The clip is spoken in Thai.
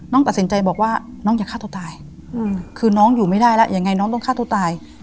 ตัดสินใจบอกว่าน้องอย่าฆ่าตัวตายคือน้องอยู่ไม่ได้แล้วยังไงน้องต้องฆ่าตัวตาย